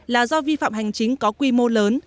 là do vi phạm hành chính có quy mô lớn